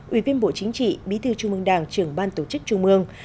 ủy viên bộ chính trị bí thư trung mương đảng trưởng ban tổ chức trung mương